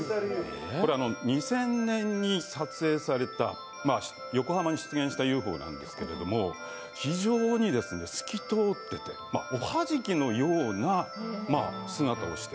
これは２０００年に撮影された横浜に出現したＵＦＯなんですけど非常に透き通ってておはじきのような姿をして。